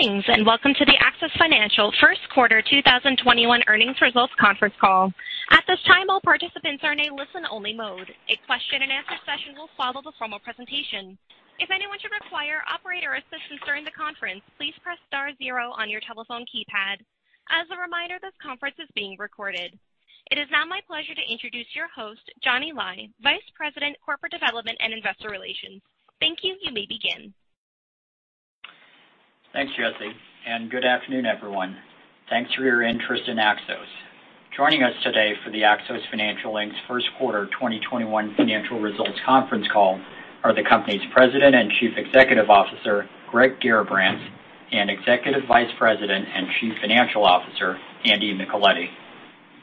Greetings, and welcome to the Axos Financial First Quarter 2021 earnings results conference call. At this time, all participants are in a listen-only mode. A question and answer session will follow the formal presentation. If anyone should require operator assistance during the conference, please press star zero on your telephone keypad. As a reminder, this conference is being recorded. It is now my pleasure to introduce your host, Johnny Lai, Vice President, Corporate Development and Investor Relations. Thank you. You may begin. Thanks, Jesse, and good afternoon, everyone. Thanks for your interest in Axos. Joining us today for the Axos Financial, Inc's first quarter 2021 financial results conference call are the company's President and Chief Executive Officer, Greg Garrabrants, and Executive Vice President and Chief Financial Officer, Andy Micheletti.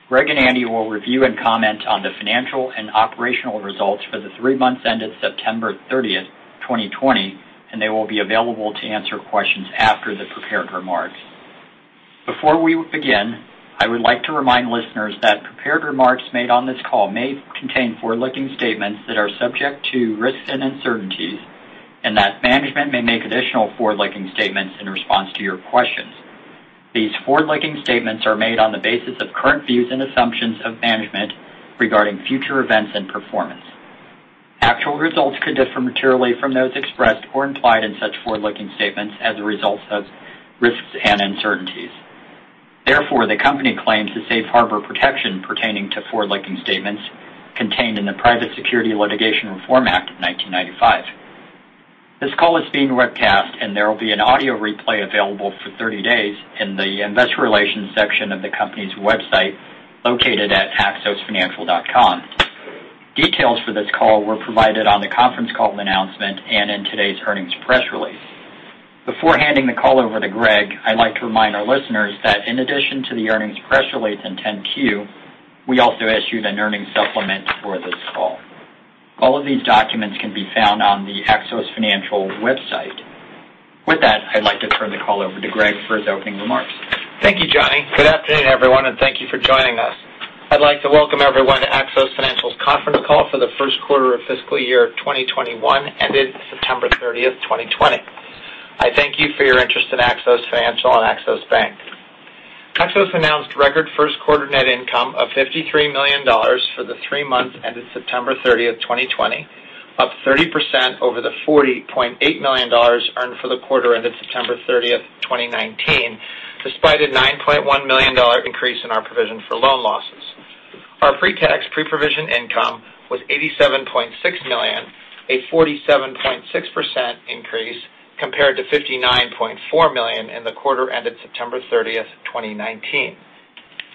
Greg and Andy will review and comment on the financial and operational results for the three months ended September 30th, 2020, and they will be available to answer questions after the prepared remarks. Before we begin, I would like to remind listeners that prepared remarks made on this call may contain forward-looking statements that are subject to risks and uncertainties, and that management may make additional forward-looking statements in response to your questions. These forward-looking statements are made on the basis of current views and assumptions of management regarding future events and performance. Actual results could differ materially from those expressed or implied in such forward-looking statements as a result of risks and uncertainties. The company claims a safe harbor protection pertaining to forward-looking statements contained in the Private Securities Litigation Reform Act of 1995. This call is being webcast, and there will be an audio replay available for 30 days in the investor relations section of the company's website, located at axosfinancial.com. Details for this call were provided on the conference call announcement and in today's earnings press release. Before handing the call over to Greg, I'd like to remind our listeners that in addition to the earnings press release in 10-Q, we also issued an earnings supplement for this call. All of these documents can be found on the Axos Financial website. With that, I'd like to turn the call over to Greg for his opening remarks. Thank you, Johnny. Good afternoon, everyone, and thank you for joining us. I'd like to welcome everyone to Axos Financial's conference call for the first quarter of fiscal year 2021 ended September 30th, 2020. I thank you for your interest in Axos Financial and Axos Bank. Axos announced record first quarter net income of $53 million for the three months ended September 30th, 2020, up 30% over the $40.8 million earned for the quarter ended September 30th, 2019, despite a $9.1 million increase in our provision for loan losses. Our pre-tax, pre-provision income was $87.6 million, a 47.6% increase compared to $59.4 million in the quarter ended September 30th, 2019.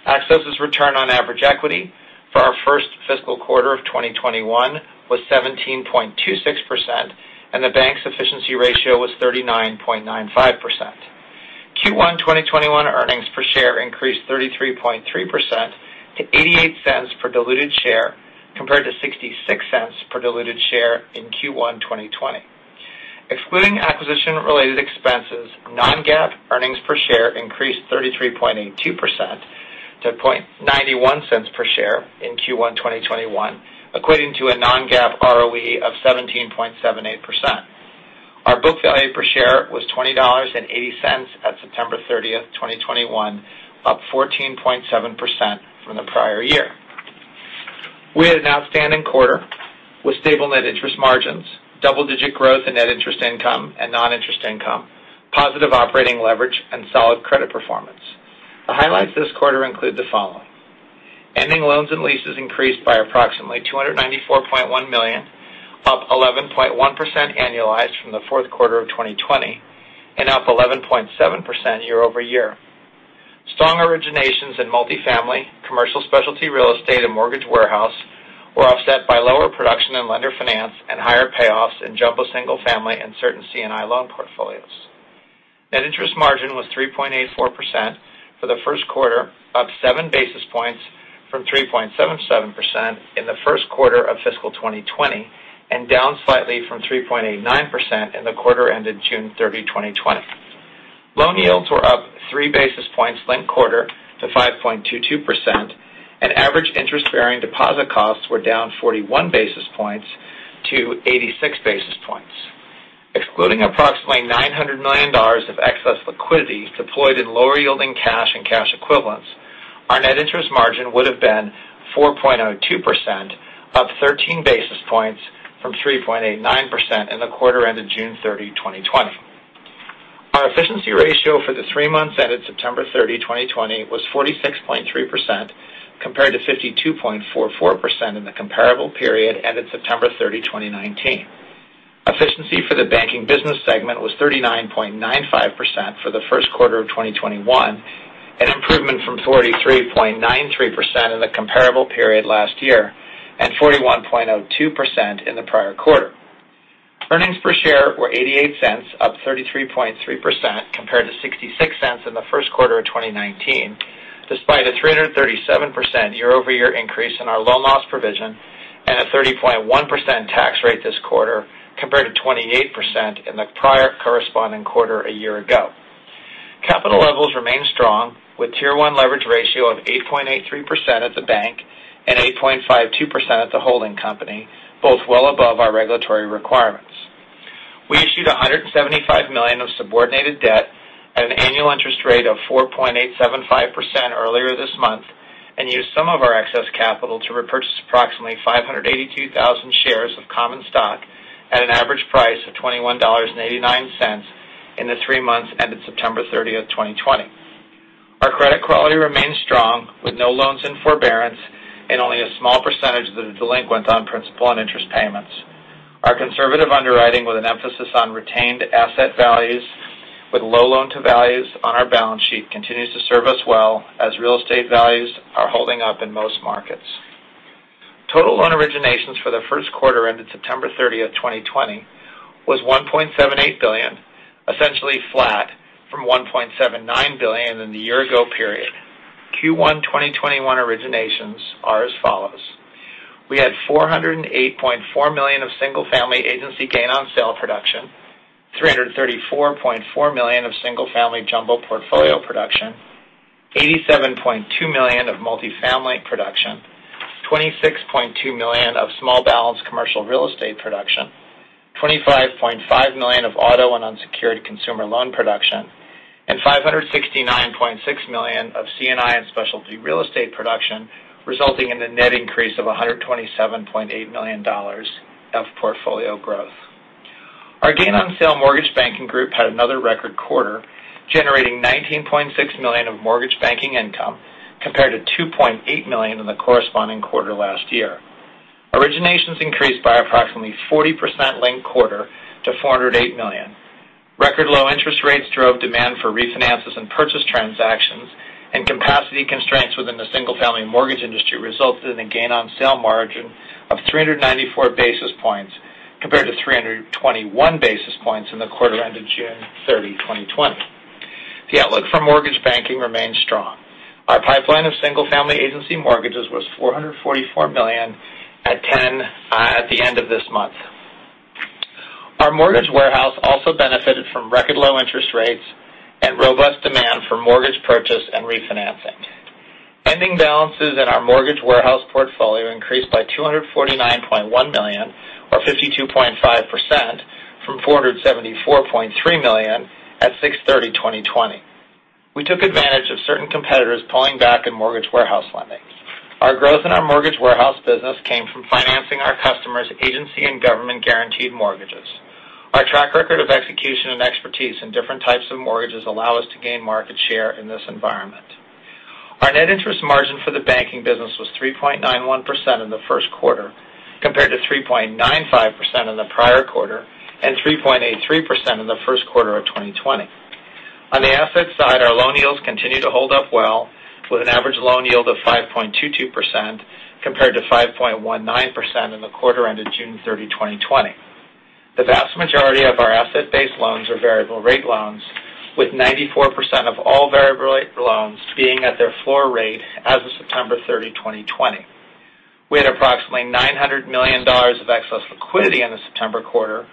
Axos's return on average equity for our first fiscal quarter of 2021 was 17.26%, and the bank's efficiency ratio was 39.95%. Q1 2021 earnings per share increased 33.3% to $0.88 per diluted share compared to $0.66 per diluted share in Q1 2020. Excluding acquisition-related expenses, non-GAAP earnings per share increased 33.82% to $0.91 per share in Q1 2021, equating to a non-GAAP ROE of 17.78%. Our book value per share was $20.80 at September 30th, 2021, up 14.7% from the prior year. We had an outstanding quarter with stable net interest margins, double-digit growth in net interest income and non-interest income, positive operating leverage, and solid credit performance. The highlights this quarter include the following. Ending loans and leases increased by approximately $294.1 million, up 11.1% annualized from the fourth quarter of 2020 and up 11.7% year-over-year. Strong originations in multifamily, commercial specialty real estate, and mortgage warehouse were offset by lower production in lender finance and higher payoffs in jumbo single family and certain C&I loan portfolios. Net interest margin was 3.84% for the first quarter, up seven basis points from 3.77% in the first quarter of fiscal 2020, and down slightly from 3.89% in the quarter ended June 30, 2020. Loan yields were up three basis points linked quarter to 5.22%, and average interest-bearing deposit costs were down 41 basis points to 86 basis points. Excluding approximately $900 million of excess liquidity deployed in lower-yielding cash and cash equivalents, our net interest margin would have been 4.02%, up 13 basis points from 3.89% in the quarter ended June 30, 2020. Our efficiency ratio for the three months ended September 30, 2020 was 46.3%, compared to 52.44% in the comparable period ended September 30, 2019. Efficiency for the banking business segment was 39.95% for the first quarter of 2021, an improvement from 43.93% in the comparable period last year, and 41.02% in the prior quarter. Earnings per share were $0.88, up 33.3%, compared to $0.66 in the first quarter of 2019, despite a 337% year-over-year increase in our loan loss provision and a 30.1% tax rate this quarter, compared to 28% in the prior corresponding quarter a year ago. Capital levels remain strong with Tier 1 leverage ratio of 8.83% at the bank and 8.52% at the holding company, both well above our regulatory requirements. We issued $175 million of subordinated debt at an annual interest rate of 4.875% earlier this month, and used some of our excess capital to repurchase approximately 582,000 shares of common stock at an average price of $21.89 in the three months ended September 30th, 2020. Our credit quality remains strong, with no loans in forbearance and only a small percentage that are delinquent on principal and interest payments. Our conservative underwriting, with an emphasis on retained asset values with low loan-to-values on our balance sheet, continues to serve us well as real estate values are holding up in most markets. Total loan originations for the first quarter ended September 30th, 2020, was $1.78 billion, essentially flat from $1.79 billion in the year ago period. Q1 2021 originations are as follows: We had $408.4 million of single family agency gain on sale production, $334.4 million of single family jumbo portfolio production, $87.2 million of multifamily production, $26.2 million of small balance commercial real estate production, $25.5 million of auto and unsecured consumer loan production, and $569.6 million of C&I and specialty real estate production, resulting in a net increase of $127.8 million of portfolio growth. Our gain on sale mortgage banking group had another record quarter, generating $19.6 million of mortgage banking income, compared to $2.8 million in the corresponding quarter last year. Originations increased by approximately 40% linked quarter to $408 million. Record low interest rates drove demand for refinances and purchase transactions, and capacity constraints within the single family mortgage industry resulted in a gain on sale margin of 394 basis points compared to 321 basis points in the quarter ended June 30, 2020. The outlook for mortgage banking remains strong. Our pipeline of single family agency mortgages was $444 million at 10 at the end of this month. Our mortgage warehouse also benefited from record low interest rates and robust demand for mortgage purchase and refinancing. Ending balances in our mortgage warehouse portfolio increased by $249.1 million, or 52.5%, from $474.3 million at 6/30/2020. We took advantage of certain competitors pulling back in mortgage warehouse lending. Our growth in our mortgage warehouse business came from financing our customers' agency and government guaranteed mortgages. Our track record of execution and expertise in different types of mortgages allow us to gain market share in this environment. Our net interest margin for the banking business was 3.91% in the first quarter, compared to 3.95% in the prior quarter and 3.83% in the first quarter of 2020. On the asset side, our loan yields continue to hold up well, with an average loan yield of 5.22%, compared to 5.19% in the quarter ended June 30, 2020. The vast majority of our asset-based loans are variable rate loans, with 94% of all variable rate loans being at their floor rate as of September 30, 2020. We had approximately $900 million of excess liquidity in the September quarter,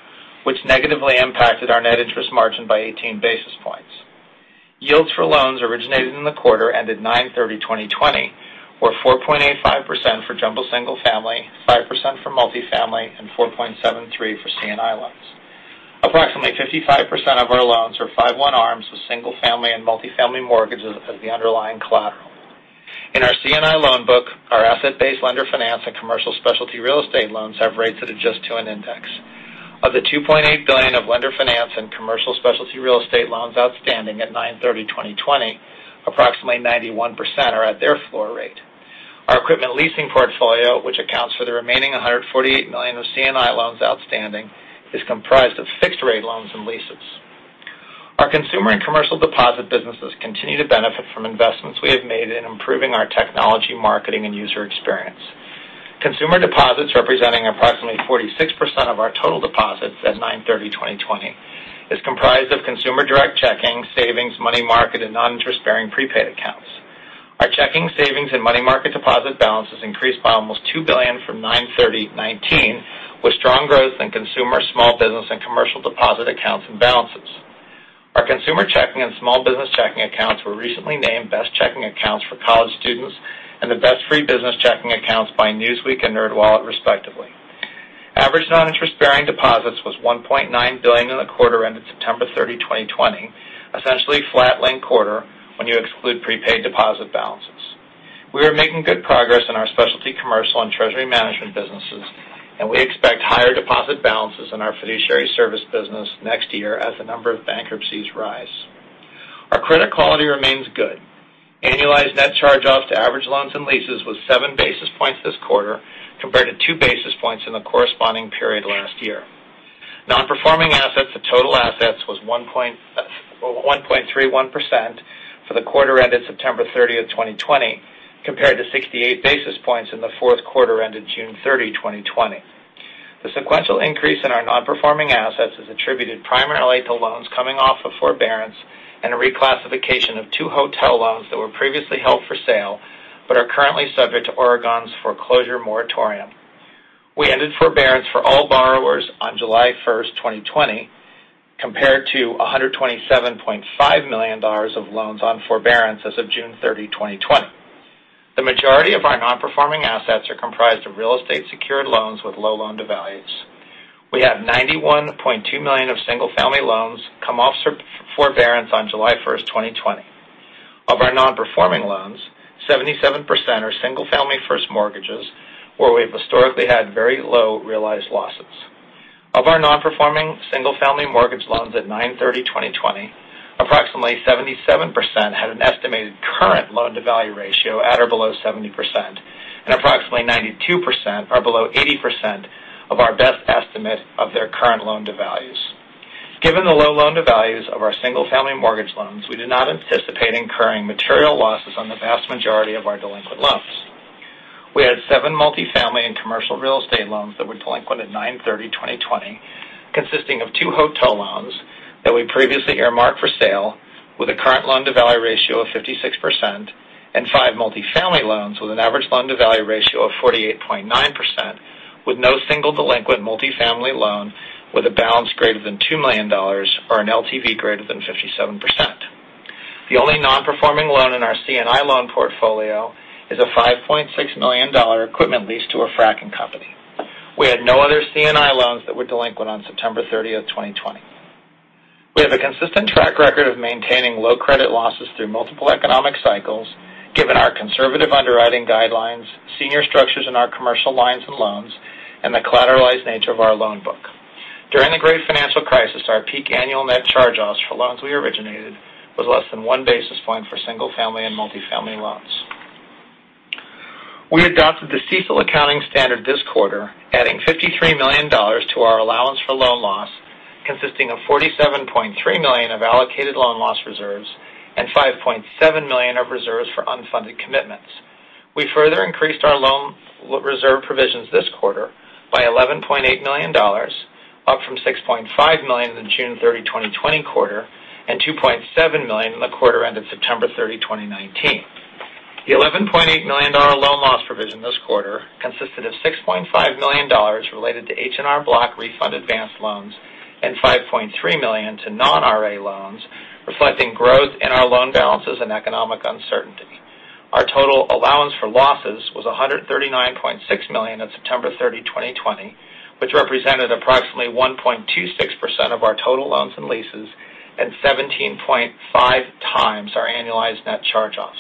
which negatively impacted our net interest margin by 18 basis points. Yields for loans originated in the quarter ended 9/30/2020 were 4.85% for jumbo single family, 5% for multifamily, and 4.73% for C&I loans. Approximately 55% of our loans are 5/1 ARMs with single family and multifamily mortgages as the underlying collateral. In our C&I loan book, our asset-based Lender Finance and Commercial Specialty Real Estate loans have rates that adjust to an index. Of the $2.8 billion of Lender Finance and Commercial Specialty Real Estate loans outstanding at 9/30/2020, approximately 91% are at their floor rate. Our equipment leasing portfolio, which accounts for the remaining $148 million of C&I loans outstanding, is comprised of fixed rate loans and leases. Our consumer and commercial deposit businesses continue to benefit from investments we have made in improving our technology, marketing, and user experience. Consumer deposits representing approximately 46% of our total deposits as of 9/30/2020 is comprised of consumer direct checking, savings, money market, and non-interest bearing prepaid accounts. Our checking, savings, and money market deposit balances increased by almost $2 billion from 9/30/2019, with strong growth in consumer, small business, and commercial deposit accounts and balances. Our consumer checking and small business checking accounts were recently named best checking accounts for college students and the best free business checking accounts by Newsweek and NerdWallet, respectively. Average non-interest bearing deposits was $1.9 billion in the quarter ended September 30, 2020, essentially flat linked quarter when you exclude prepaid deposit balances. We are making good progress in our Specialty Commercial and Treasury Management businesses, and we expect higher deposit balances in our fiduciary service business next year as the number of bankruptcies rise. Our credit quality remains good. Annualized net charge offs to average loans and leases was 7 basis points this quarter, compared to two basis points in the corresponding period last year. Non-Performing Assets to total assets was 1.31% for the quarter ended September 30th, 2020, compared to 68 basis points in the fourth quarter ended June 30, 2020. The sequential increase in our Non-Performing Assets is attributed primarily to loans coming off of forbearance and a reclassification of two hotel loans that were previously held for sale, but are currently subject to Oregon's foreclosure moratorium. We ended forbearance for all borrowers on July 1st, 2020, compared to $127.5 million of loans on forbearance as of June 30, 2020. The majority of our Non-Performing Assets are comprised of real estate secured loans with low loan-to-values. We have $91.2 million of single-family loans come off forbearance on July 1st, 2020. Of our non-performing loans, 77% are single-family first mortgages where we've historically had very low realized losses. Of our non-performing single-family mortgage loans at 9/30/2020, approximately 77% had an estimated current loan-to-value ratio at or below 70%, and approximately 92% are below 80% of our best estimate of their current loan-to-values. Given the low loan-to-values of our single-family mortgage loans, we do not anticipate incurring material losses on the vast majority of our delinquent loans. We had seven multifamily and commercial real estate loans that were delinquent at 9/30/2020, consisting of two hotel loans that we previously earmarked for sale, with a current loan-to-value ratio of 56%, and five multifamily loans with an average loan-to-value ratio of 48.9%, with no single delinquent multifamily loan with a balance greater than $2 million or an LTV greater than 57%. The only non-performing loan in our C&I loan portfolio is a $5.6 million equipment lease to a fracking company. We had no other C&I loans that were delinquent on September 30th, 2020. We have a consistent track record of maintaining low credit losses through multiple economic cycles, given our conservative underwriting guidelines, senior structures in our commercial lines and loans, and the collateralized nature of our loan book. During the Great Financial Crisis, our peak annual net charge-offs for loans we originated was less than one basis point for single family and multifamily loans. We adopted the CECL accounting standard this quarter, adding $53 million to our allowance for loan loss, consisting of $47.3 million of allocated loan loss reserves and $5.7 million of reserves for unfunded commitments. We further increased our loan reserve provisions this quarter by $11.8 million, up from $6.5 million in the June 30, 2020 quarter and $2.7 million in the quarter ended September 30, 2019. The $11.8 million loan loss provision this quarter consisted of $6.5 million related to H&R Block refund advance loans and $5.3 million to non-RA loans, reflecting growth in our loan balances and economic uncertainty. Our total allowance for losses was $139.6 million at September 30, 2020, which represented approximately 1.26% of our total loans and leases and 17.5x our annualized net charge-offs.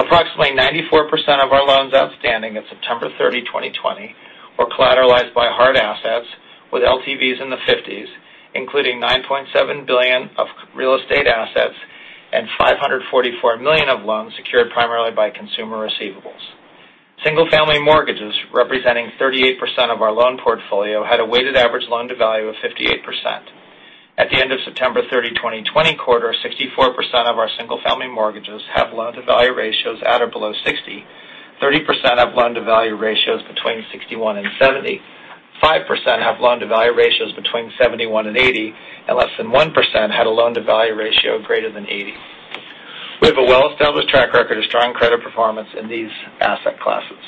Approximately 94% of our loans outstanding at September 30, 2020, were collateralized by hard assets with LTVs in the 50s, including $9.7 billion of real estate assets and $544 million of loans secured primarily by consumer receivables. Single-family mortgages, representing 38% of our loan portfolio, had a weighted average loan-to-value of 58%. At the end of September 30, 2020 quarter, 64% of our single family mortgages have loan-to-value ratios at or below 60, 30% have loan-to-value ratios between 61 and 70, 5% have loan-to-value ratios between 71 and 80, and less than 1% had a loan-to-value ratio greater than 80. We have a well-established track record of strong credit performance in these asset classes.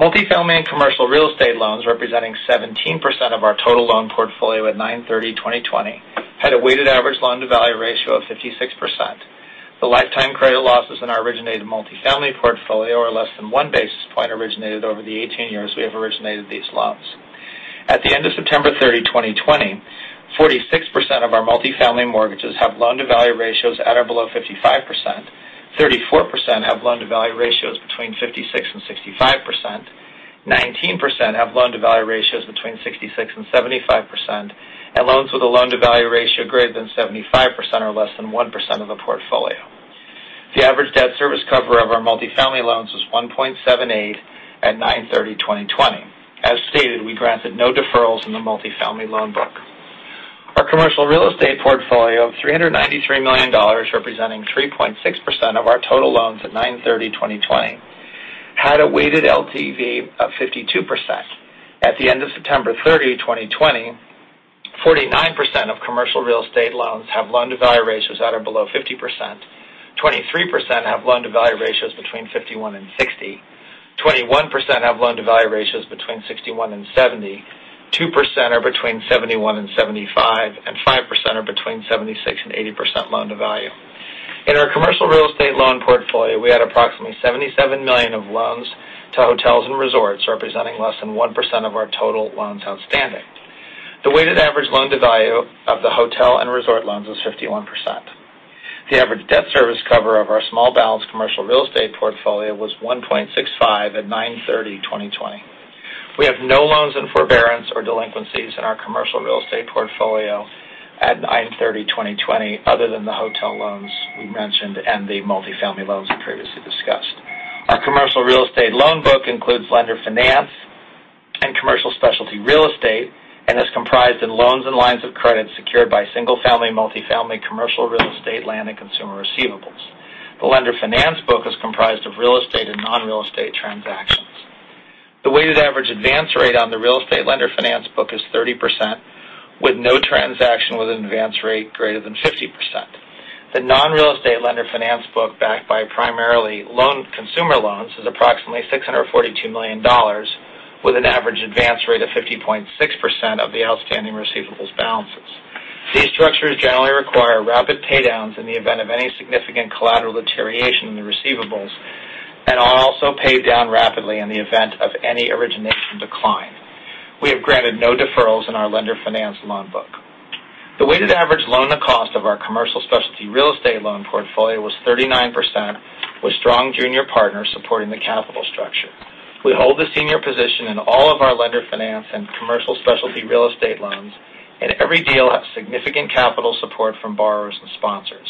Multifamily and commercial real estate loans, representing 17% of our total loan portfolio at 9/30/2020, had a weighted average loan-to-value ratio of 56%. The lifetime credit losses in our originated multifamily portfolio are less than one basis point originated over the 18 years we have originated these loans. At the end of September 30, 2020, 46% of our multifamily mortgages have loan-to-value ratios at or below 55%, 34% have loan-to-value ratios between 56% and 65%, 19% have loan-to-value ratios between 66% and 75%, and loans with a loan-to-value ratio greater than 75% are less than 1% of the portfolio. The average debt service cover of our multifamily loans was 1.78 at 9/30/2020. As stated, we granted no deferrals in the multifamily loan book. Our commercial real estate portfolio of $393 million, representing 3.6% of our total loans at 9/30/2020, had a weighted LTV of 52%. At the end of September 30, 2020, 49% of commercial real estate loans have loan-to-value ratios at or below 50%, 23% have loan-to-value ratios between 51% and 60%, 21% have loan-to-value ratios between 61% and 70%, 2% are between 71% and 75%, and 5% are between 76% and 80% loan-to-value. In our commercial real estate loan portfolio, we had approximately $77 million of loans to hotels and resorts, representing less than 1% of our total loans outstanding. The weighted average loan-to-value of the hotel and resort loans was 51%. The average debt service cover of our small balance commercial real estate portfolio was 1.65 at 9/30/2020. We have no loans in forbearance or delinquencies in our commercial real estate portfolio at 9/30/2020 other than the hotel loans we mentioned and the multifamily loans we previously discussed. Our commercial real estate loan book includes Lender Finance and Commercial Specialty Real Estate and is comprised of loans and lines of credit secured by single-family, multifamily, commercial real estate, land, and consumer receivables. The lender finance book is comprised of real estate and non-real estate transactions. The weighted average advance rate on the real estate lender finance book is 30%, with no transaction with an advance rate greater than 50%. The non-real estate lender finance book primarily loan consumer loans is approximately $642 million with an average advance rate of 50.6% of the outstanding receivables balances. These structures generally require rapid paydowns in the event of any significant collateral deterioration in the receivables, and also pay down rapidly in the event of any origination decline. We have granted no deferrals in our lender finance loan book. The weighted average loan, the cost of our commercial specialty real estate loan portfolio was 39%, with strong junior partners supporting the capital structure. We hold the senior position in all of our Lender Finance and Commercial Specialty Real Estate loans, and every deal has significant capital support from borrowers and sponsors.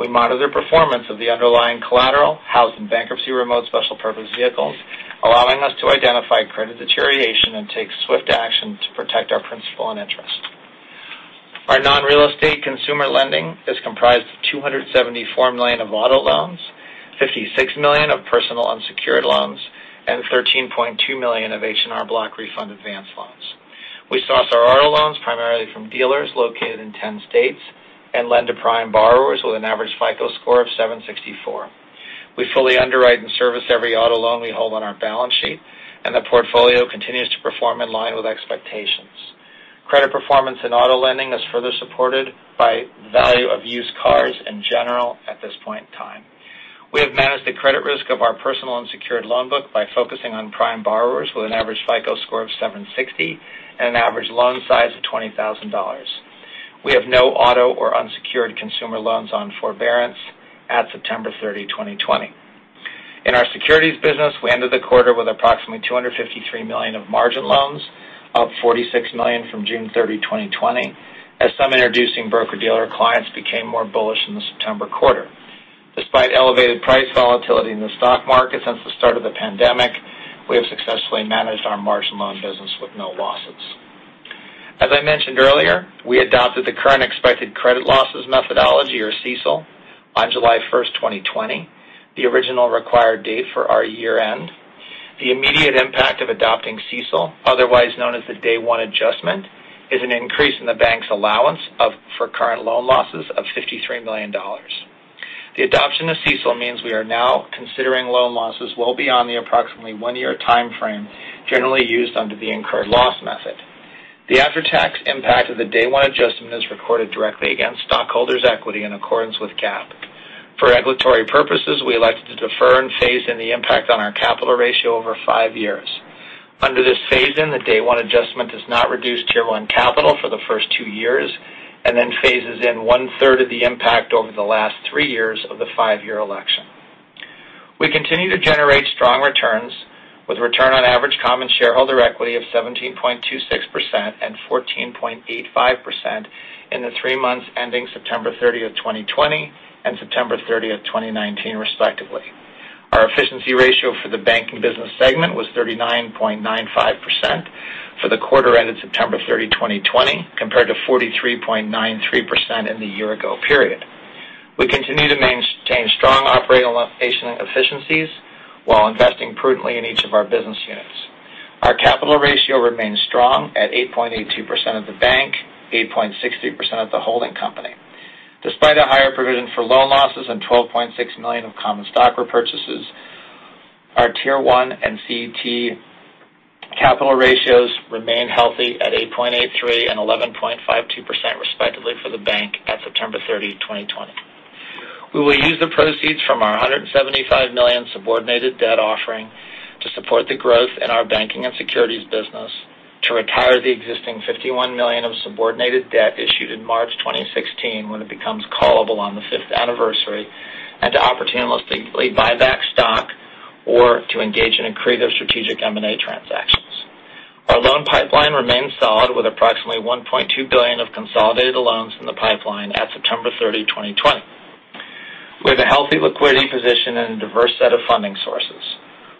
We monitor performance of the underlying collateral housed in bankruptcy remote special purpose vehicles, allowing us to identify credit deterioration and take swift action to protect our principal and interest. Our non-real estate consumer lending is comprised of $274 million of auto loans, $56 million of personal unsecured loans, and $13.2 million of H&R Block refund advance loans. We source our auto loans primarily from dealers located in 10 states and lend to prime borrowers with an average FICO score of 764. We fully underwrite and service every auto loan we hold on our balance sheet, and the portfolio continues to perform in line with expectations. Credit performance and auto lending is further supported by value of used cars in general at this point in time. We have managed the credit risk of our personal unsecured loan book by focusing on prime borrowers with an average FICO score of 760 and an average loan size of $20,000. We have no auto or unsecured consumer loans on forbearance at September 30, 2020. In our securities business, we ended the quarter with approximately $253 million of margin loans, up $46 million from June 30, 2020, as some introducing broker-dealer clients became more bullish in the September quarter. Despite elevated price volatility in the stock market since the start of the pandemic, we have successfully managed our margin loan business with no losses. As I mentioned earlier, we adopted the Current Expected Credit Losses methodology or CECL on July 1st, 2020, the original required date for our year-end. The immediate impact of adopting CECL, otherwise known as the day one adjustment, is an increase in the bank's allowance for current loan losses of $53 million. The adoption of CECL means we are now considering loan losses well beyond the approximately one-year timeframe generally used under the incurred loss method. The after-tax impact of the day one adjustment is recorded directly against stockholders' equity in accordance with GAAP. For regulatory purposes, we elected to defer and phase in the impact on our capital ratio over five years. Under this phase-in, the day one adjustment does not reduce Tier 1 capital for the first two years and then phases in one-third of the impact over the last three years of the five-year election. We continue to generate strong returns with return on average common shareholder equity of 17.26% and 14.85% in the three months ending September 30th of 2020 and September 30th of 2019, respectively. Our efficiency ratio for the banking business segment was 39.95% for the quarter ended September 30, 2020, compared to 43.93% in the year-ago period. We continue to maintain strong operational efficiencies while investing prudently in each of our business units. Our capital ratio remains strong at 8.82% of the bank, 8.63% of the holding company. Despite a higher provision for loan losses and $12.6 million of common stock repurchases, our Tier 1 and CET1 capital ratios remain healthy at 8.83 and 11.52%, respectively, for the bank at September 30, 2020. We will use the proceeds from our $175 million subordinated debt offering to support the growth in our banking and securities business to retire the existing $51 million of subordinated debt issued in March 2016 when it becomes callable on the fifth anniversary and to opportunistically buy back stock or to engage in accretive strategic M&A transactions. Our loan pipeline remains solid with approximately $1.2 billion of consolidated loans in the pipeline at September 30, 2020. We have a healthy liquidity position and a diverse set of funding sources.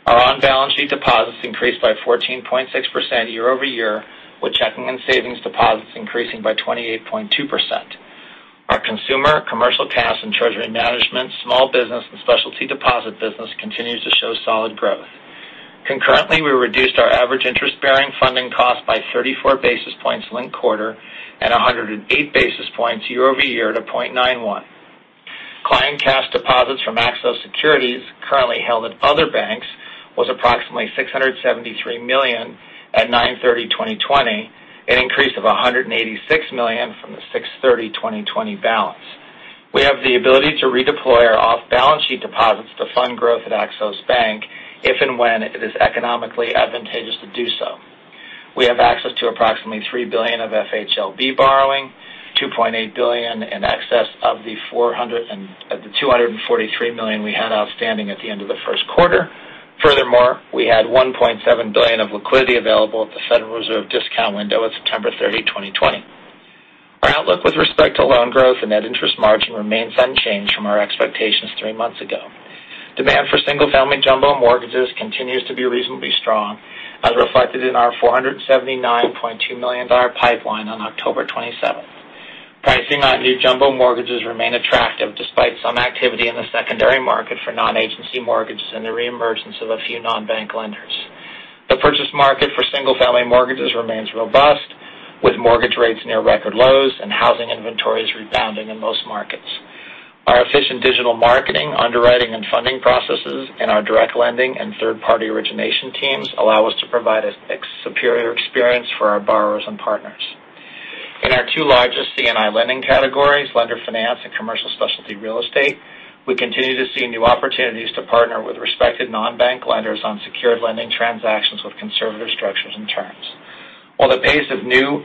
Our on-balance sheet deposits increased by 14.6% year-over-year, with checking and savings deposits increasing by 28.2%. Our consumer, commercial cash and treasury management, small business, and specialty deposit business continues to show solid growth. Concurrently, we reduced our average interest-bearing funding cost by 34 basis points linked quarter and 108 basis points year-over-year to 0.91. Client cash deposits from Axos Securities currently held at other banks was approximately $673 million at 9/30/2020, an increase of $186 million from the 6/30/2020 balance. We have the ability to redeploy our off-balance sheet deposits to fund growth at Axos Bank if and when it is economically advantageous to do so. We have access to approximately $3 billion of FHLB borrowing, $2.8 billion in excess of the $243 million we had outstanding at the end of the first quarter. Furthermore, we had $1.7 billion of liquidity available at the Federal Reserve discount window at September 30, 2020. Our outlook with respect to loan growth and net interest margin remains unchanged from our expectations three months ago. Demand for single-family jumbo mortgages continues to be reasonably strong, as reflected in our $479.2 million pipeline on October 27th. Pricing on new jumbo mortgages remain attractive despite some activity in the secondary market for non-agency mortgages and the reemergence of a few non-bank lenders. The purchase market for single-family mortgages remains robust, with mortgage rates near record lows and housing inventories rebounding in most markets. Our efficient digital marketing, underwriting, and funding processes and our direct lending and third-party origination teams allow us to provide a superior experience for our borrowers and partners. In our two largest C&I lending categories, Lender Finance and Commercial Specialty Real Estate, we continue to see new opportunities to partner with respected non-bank lenders on secured lending transactions with conservative structures and terms. While the pace of new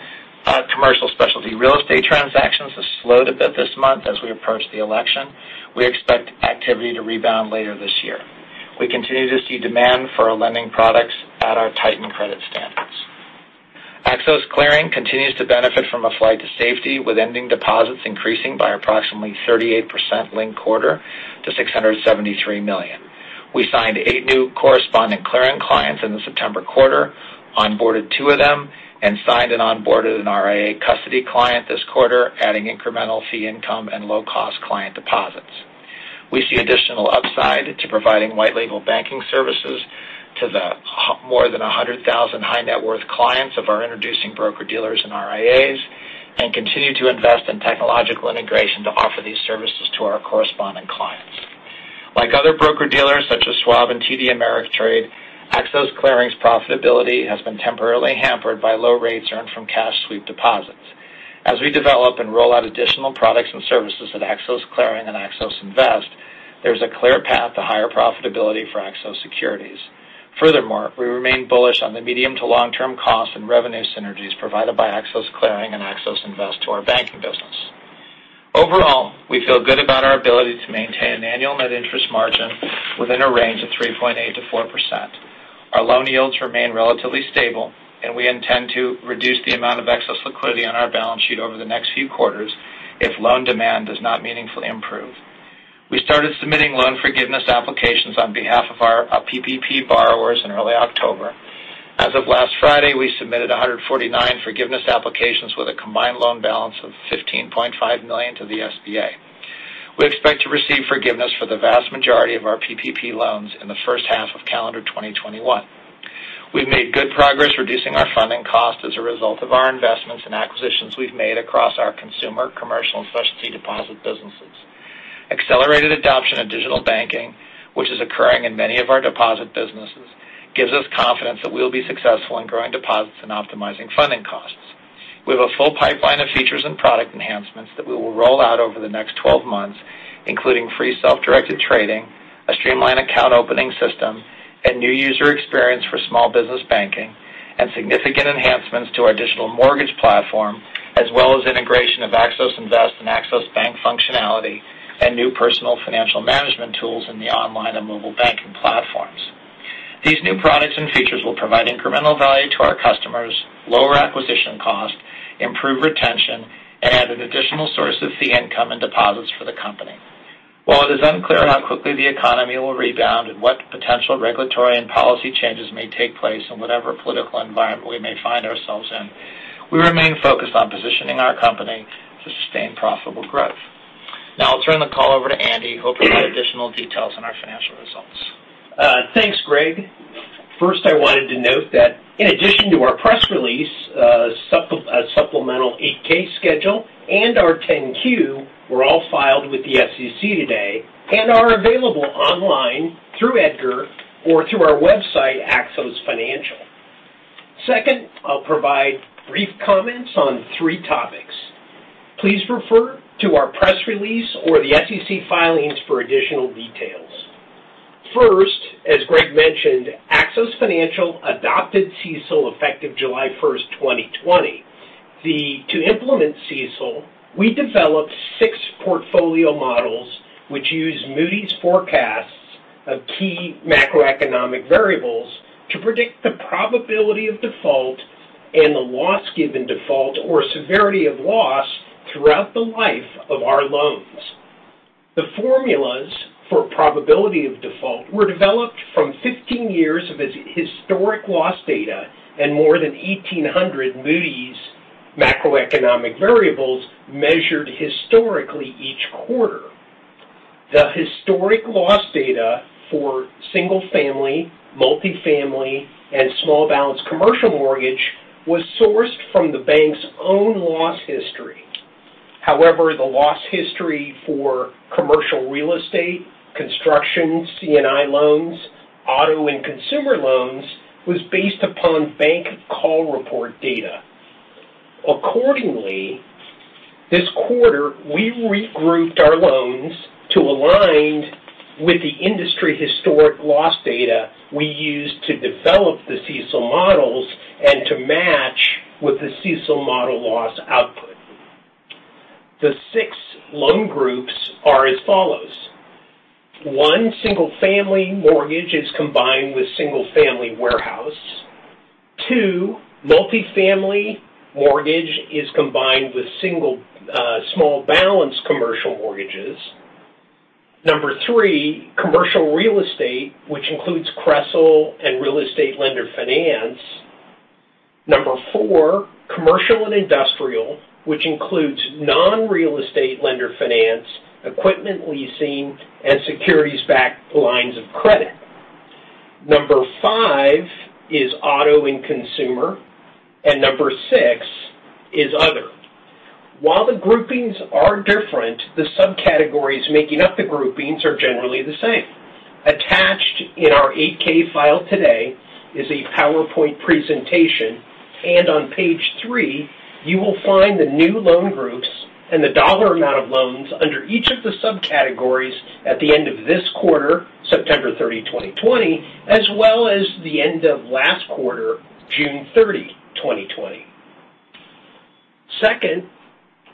commercial specialty real estate transactions has slowed a bit this month as we approach the election, we expect activity to rebound later this year. We continue to see demand for our lending products at our tightened credit standards. Axos Clearing continues to benefit from a flight to safety, with ending deposits increasing by approximately 38% linked quarter to $673 million. We signed eight new correspondent clearing clients in the September quarter, onboarded two of them, and signed and onboarded an RIA custody client this quarter, adding incremental fee income and low-cost client deposits. We see additional upside to providing white label banking services to the more than 100,000 high-net-worth clients of our introducing broker-dealers and RIAs, and continue to invest in technological integration to offer these services to our corresponding clients. Like other broker-dealers such as Schwab and TD Ameritrade, Axos Clearing's profitability has been temporarily hampered by low rates earned from cash sweep deposits. As we develop and roll out additional products and services at Axos Clearing and Axos Invest, there's a clear path to higher profitability for Axos Securities. Furthermore, we remain bullish on the medium to long-term cost and revenue synergies provided by Axos Clearing and Axos Invest to our banking business. Overall, we feel good about our ability to maintain an annual net interest margin within a range of 3.8%-4%. Our loan yields remain relatively stable, and we intend to reduce the amount of excess liquidity on our balance sheet over the next few quarters if loan demand does not meaningfully improve. We started submitting loan forgiveness applications on behalf of our PPP borrowers in early October. As of last Friday, we submitted 149 forgiveness applications with a combined loan balance of $15.5 million to the SBA. We expect to receive forgiveness for the vast majority of our PPP loans in the first half of calendar 2021. We've made good progress reducing our funding cost as a result of our investments and acquisitions we've made across our consumer, commercial, and specialty deposit businesses. Accelerated adoption of digital banking, which is occurring in many of our deposit businesses, gives us confidence that we'll be successful in growing deposits and optimizing funding costs. We have a full pipeline of features and product enhancements that we will roll out over the next 12 months, including free self-directed trading, a streamlined account opening system, and new user experience for small business banking, and significant enhancements to our digital mortgage platform, as well as integration of Axos Invest and Axos Bank functionality and new personal financial management tools in the online and mobile banking platforms. These new products and features will provide incremental value to our customers, lower acquisition cost, improve retention, and add an additional source of fee income and deposits for the company. While it is unclear how quickly the economy will rebound and what potential regulatory and policy changes may take place in whatever political environment we may find ourselves in, we remain focused on positioning our company to sustain profitable growth. Now, I'll turn the call over to Andy, who will provide additional details on our financial results. Thanks, Greg. First, I wanted to note that in addition to our press release, a supplemental 8-K schedule and our 10-Q were all filed with the SEC today and are available online through EDGAR or through our website, axosfinancial.com. Second, I'll provide brief comments on three topics. Please refer to our press release or the SEC filings for additional details. First, as Greg mentioned, Axos Financial adopted CECL effective July 1, 2020. To implement CECL, we developed six portfolio models which use Moody's forecasts of key macroeconomic variables to predict the probability of default and the loss given default or severity of loss throughout the life of our loans. The formulas for probability of default were developed from 15 years of historic loss data and more than 1,800 Moody's macroeconomic variables measured historically each quarter. The historic loss data for single-family, multi-family, and small balance commercial mortgage was sourced from the bank's own loss history. However, the loss history for commercial real estate, construction, C&I loans, auto, and consumer loans was based upon bank call report data. Accordingly, this quarter, we regrouped our loans to align with the industry historic loss data we used to develop the CECL models and to match with the CECL model loss output. The six loan groups are as follows. One, single-family mortgage is combined with single-family warehouse. Two, multi-family mortgage is combined with Single Small Balance Commercial Mortgages. Number three, commercial real estate, which includes CRE C&L and real estate lender finance. Number four, commercial and industrial, which includes non-real estate lender finance, equipment leasing, and securities-backed lines of credit. Number five is auto and consumer, and Number six is other. While the groupings are different, the subcategories making up the groupings are generally the same. Attached in our 8-K file today is a PowerPoint presentation, and on page three, you will find the new loan groups and the dollar amount of loans under each of the subcategories at the end of this quarter, September 30, 2020, as well as the end of last quarter, June 30, 2020. Second,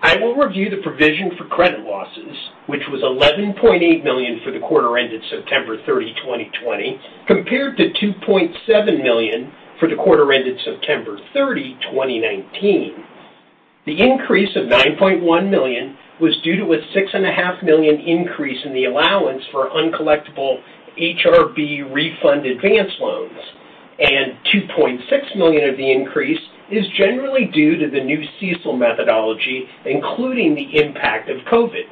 I will review the provision for credit losses, which was $11.8 million for the quarter ended September 30, 2020, compared to $2.7 million for the quarter ended September 30, 2019. The increase of $9.1 million was due to a $6.5 million increase in the allowance for uncollectible HRB Refund Advance Loans. $2.6 million of the increase is generally due to the new CECL methodology, including the impact of COVID.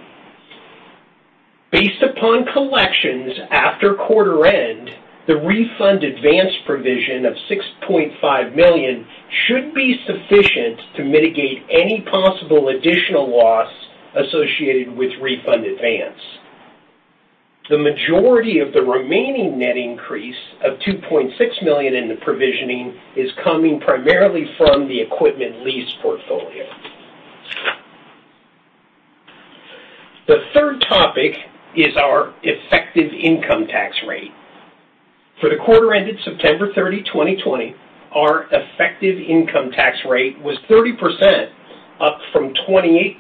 Based upon collections after quarter end, the refund advance provision of $6.5 million should be sufficient to mitigate any possible additional loss associated with refund advance. The majority of the remaining net increase of $2.6 million in the provisioning is coming primarily from the equipment lease portfolio. The third topic is our effective income tax rate. For the quarter ended September 30, 2020, our effective income tax rate was 30%, up from 28%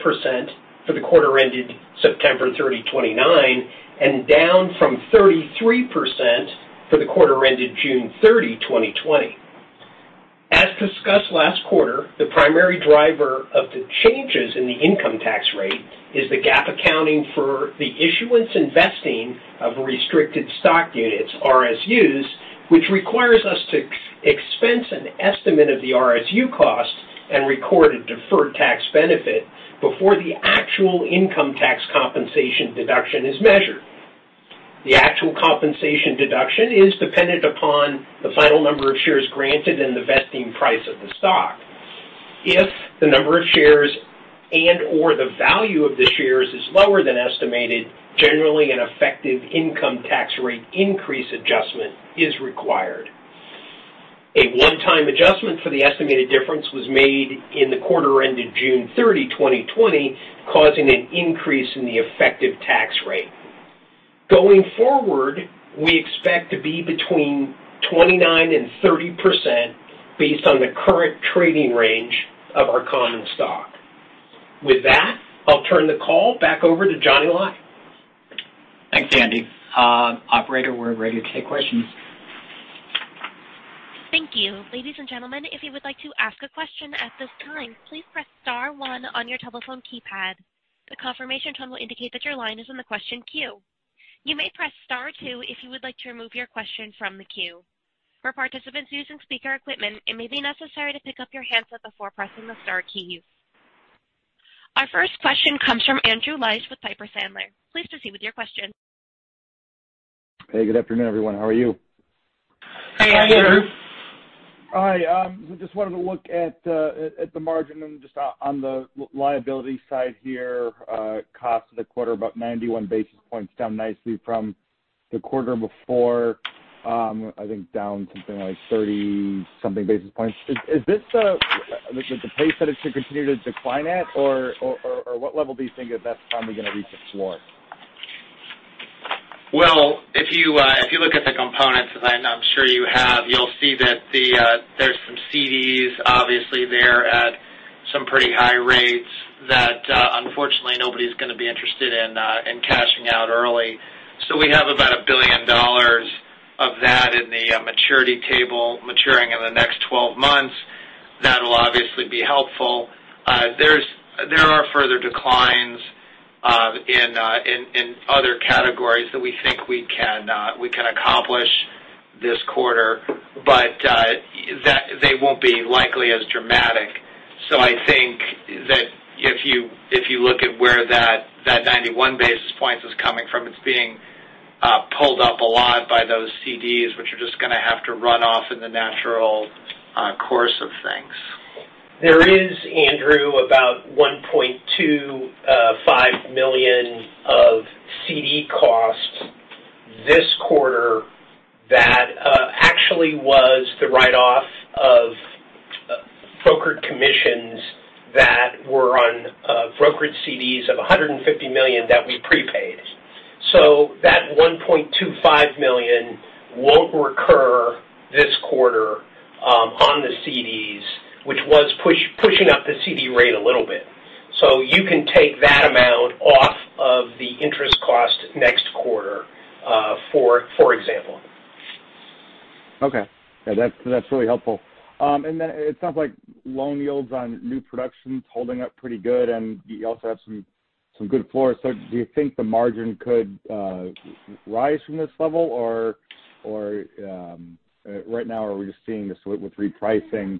for the quarter ended September 30, 2019, and down from 33% for the quarter ended June 30, 2020. As discussed last quarter, the primary driver of the changes in the income tax rate is the GAAP accounting for the issuance investing of restricted stock units, RSUs, which requires us to expense an estimate of the RSU cost and record a deferred tax benefit before the actual income tax compensation deduction is measured. The actual compensation deduction is dependent upon the final number of shares granted and the vesting price of the stock. If the number of shares and/or the value of the shares is lower than estimated, generally an effective income tax rate increase adjustment is required. A one-time adjustment for the estimated difference was made in the quarter ended June 30, 2020, causing an increase in the effective tax rate. Going forward, we expect to be between 29% and 30% based on the current trading range of our common stock. With that, I'll turn the call back over to Johnny Lai. Thanks, Andy. Operator, we're ready to take questions. Thank you, ladies and gentlemen, if you would like to ask a question at this time, please press star one on your telephone keypad. The confirmation tone will indicate that your line is in the question queue. You may press star two if you would like to remove your question from the queue. For participants using speaker equipment, it may be necessary to pick up your handset before pressing the star key. Our first question comes from Andrew Liesch with Piper Sandler. Please proceed with your question. Hey, good afternoon, everyone. How are you? Hey, Andrew. Hey. Hi. I just wanted to look at the margin and just on the liability side here, cost of the quarter, about 91 basis points, down nicely from the quarter before. I think down something like 30 something basis points. Is this the pace that it should continue to decline at, or what level do you think that's probably going to reach for? If you look at the components, as I'm sure you have, you'll see that there's some CDs obviously there at some pretty high rates that unfortunately nobody's going to be interested in cashing out early. We have about $1 billion of that in the maturity table maturing in the next 12 months. That'll obviously be helpful. There are further declines in other categories that we think we can accomplish this quarter. They won't be likely as dramatic. I think that if you look at where that 91 basis points is coming from, it's being pulled up a lot by those CDs, which are just going to have to run off in the natural course of things. There is, Andrew, about $1.25 million of CD costs this quarter that actually was the write-off of brokered commissions that were on brokered CDs of $150 million that we prepaid. That $1.25 million won't recur this quarter on the CDs, which was pushing up the CD rate a little bit. You can take that amount off of the interest cost next quarter, for example. Okay. Yeah, that's really helpful. It sounds like loan yields on new production's holding up pretty good, and you also have some good floors. Do you think the margin could rise from this level or right now, are we just seeing this with repricing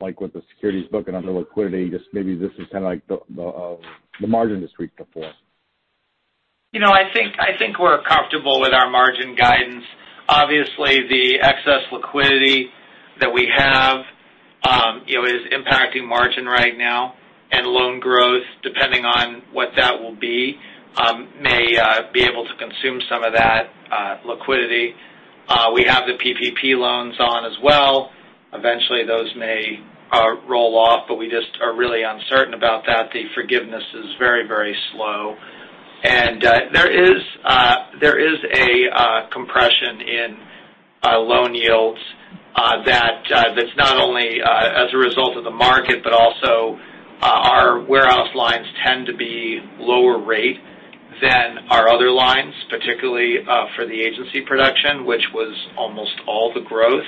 like with the securities book and other liquidity, just maybe this is kind of like the margin is tweaked before? I think we're comfortable with our margin guidance. Obviously, the excess liquidity that we have is impacting margin right now, and loan growth, depending on what that will be may be able to consume some of that liquidity. We have the PPP loans on as well. Eventually, those may roll off, but we just are really uncertain about that. The forgiveness is very slow. There is a compression in loan yields that's not only as a result of the market, but also our warehouse lines tend to be lower rate than our other lines, particularly for the agency production, which was almost all the growth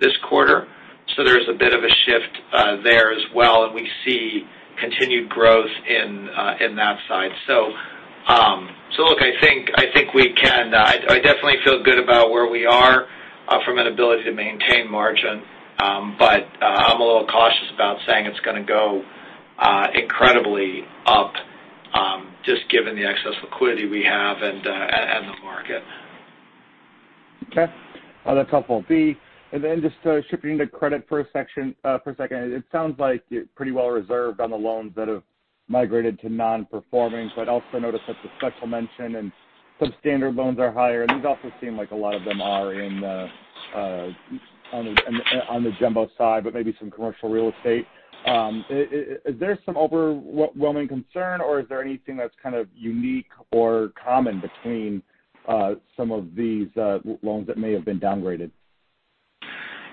this quarter. There's a bit of a shift there as well. We see continued growth in that side. Look, I definitely feel good about where we are from an ability to maintain margin. I'm a little cautious about saying it's going to go incredibly up just given the excess liquidity we have and the market. Okay. That's helpful. Then just shifting to credit for a second. It sounds like you're pretty well reserved on the loans that have migrated to non-performing, but also notice that the special mention and substandard loans are higher. These also seem like a lot of them are on the jumbo side, but maybe some commercial real estate. Is there some overwhelming concern, or is there anything that's kind of unique or common between some of these loans that may have been downgraded?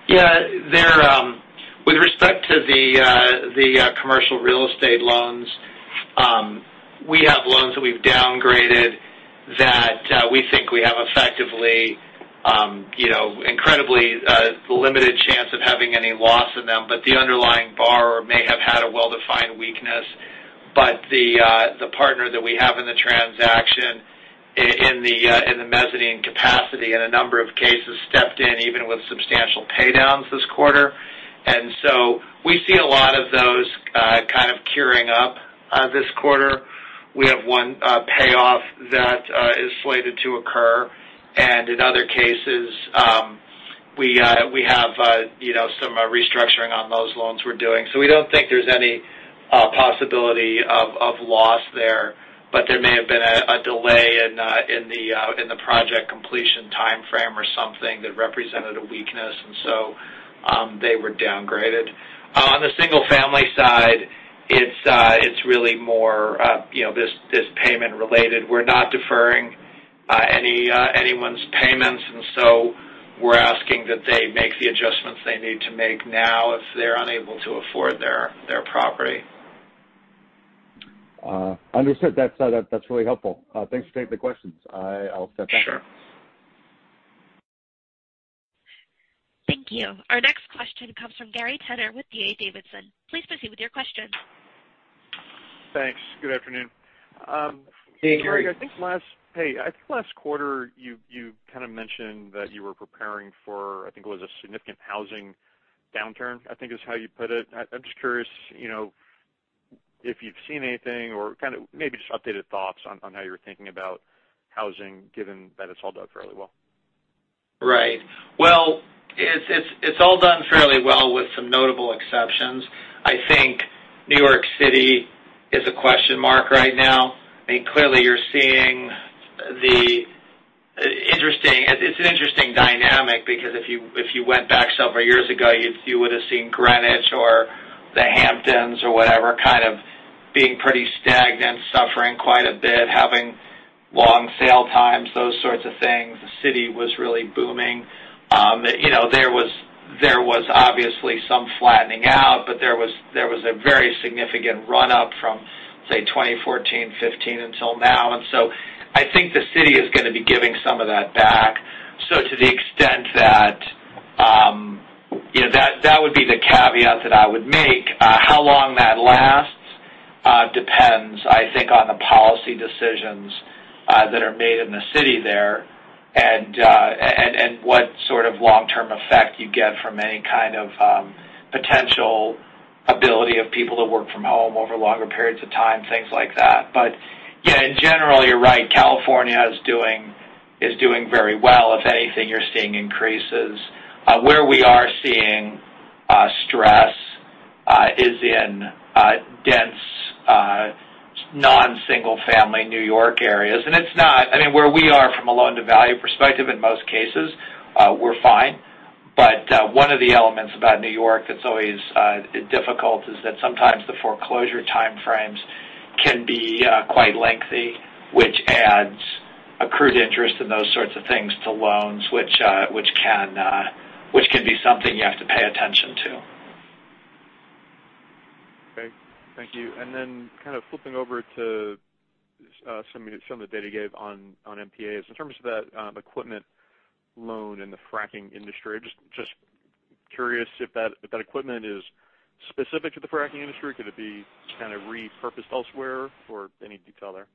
Yeah. With respect to the commercial real estate loans, we have loans that we've downgraded that we think we have effectively incredibly limited chance of having any loss in them. The underlying borrower may have had a well-defined weakness. The partner that we have in the transaction in the mezzanine capacity in a number of cases stepped in, even with substantial pay-downs this quarter. We see a lot of those kind of curing up this quarter. We have one payoff that is slated to occur. In other cases, we have some restructuring on those loans we're doing. We don't think there's any possibility of loss there. There may have been a delay in the project completion timeframe or something that represented a weakness. They were downgraded. On the single-family side, it's really more this payment related. We're not deferring anyone's payments, and so we're asking that they make the adjustments they need to make now if they're unable to afford their property. Understood. That's really helpful. Thanks for taking the questions. I'll step back. Sure. Thank you. Our next question comes from Gary Tenner with D.A. Davidson. Please proceed with your question. Thanks. Good afternoon. Hey, Gary. Greg, I think last quarter you kind of mentioned that you were preparing for, I think it was a significant housing downturn, I think is how you put it. I'm just curious if you've seen anything or kind of maybe just updated thoughts on how you were thinking about housing given that it's held up fairly well? Right. Well, it's all done fairly well with some notable exceptions. I think New York City is a question mark right now. I mean, clearly you're seeing it's an interesting dynamic because if you went back several years ago, you would've seen Greenwich or the Hamptons or whatever kind of being pretty stagnant, suffering quite a bit, having long sale times, those sorts of things. The city was really booming. There was obviously some flattening out, there was a very significant run-up from, say, 2014, 2015 until now. I think the city is going to be giving some of that back. To the extent that would be the caveat that I would make. How long that lasts depends, I think, on the policy decisions that are made in the city there and what sort of long-term effect you get from any kind of potential ability of people to work from home over longer periods of time, things like that. Yeah, in general, you're right. California is doing very well. If anything, you're seeing increases. Where we are seeing stress is in dense non-single family New York areas. It's not, I mean, where we are from a loan-to-value perspective, in most cases, we're fine. One of the elements about New York that's always difficult is that sometimes the foreclosure timeframes can be quite lengthy, which adds accrued interest and those sorts of things to loans which can be something you have to pay attention to. Okay. Thank you. Kind of flipping over to some of the data you gave on NPAs. In terms of that equipment loan in the fracking industry, Just curious if that equipment is specific to the fracking industry. Could it be kind of repurposed elsewhere, or any detail there?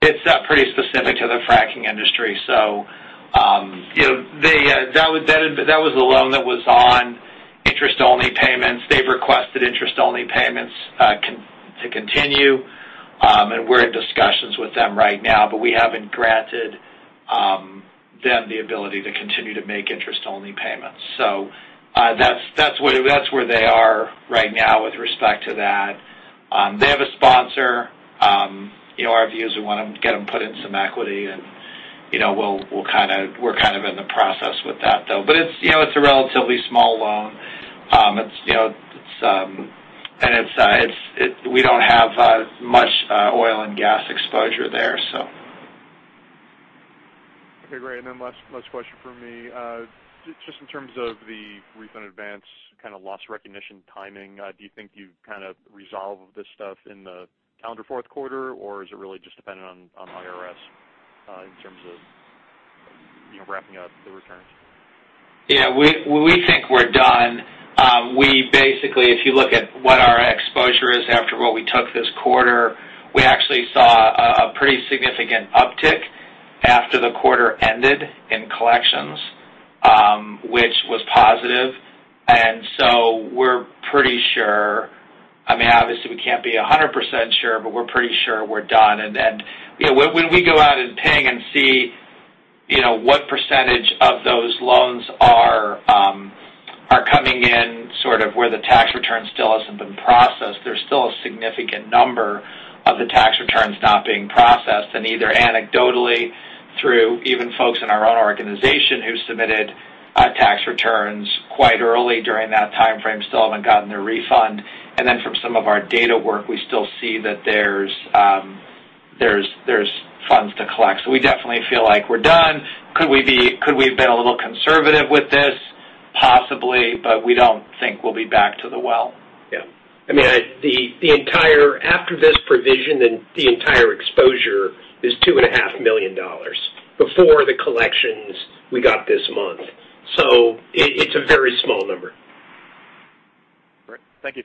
It's pretty specific to the fracking industry. That was the loan that was on interest-only payments. They've requested interest-only payments to continue. We're in discussions with them right now, but we haven't granted them the ability to continue to make interest-only payments. That's where they are right now with respect to that. They have a sponsor. Our views, we want to get them put in some equity, and we're kind of in the process with that, though. It's a relatively small loan. We don't have much oil and gas exposure there. Okay, great. Last question from me. Just in terms of the refund advance kind of loss recognition timing, do you think you've kind of resolved this stuff in the calendar fourth quarter? Or is it really just dependent on IRS in terms of wrapping up the returns? Yeah. We think we're done. Basically, if you look at what our exposure is after what we took this quarter, we actually saw a pretty significant uptick after the quarter ended in collections, which was positive. We're pretty sure. Obviously, we can't be 100% sure, but we're pretty sure we're done. When we go out and ping and see what percentage of those loans are coming in, sort of where the tax return still hasn't been processed, there's still a significant number of the tax returns not being processed. Either anecdotally through even folks in our own organization who submitted tax returns quite early during that time frame still haven't gotten their refund. From some of our data work, we still see that there's funds to collect. We definitely feel like we're done. Could we have been a little conservative with this? Possibly. We don't think we'll be back to the well. Yeah. After this provision, the entire exposure is $2.5 million before the collections we got this month. It's a very small number. Great. Thank you.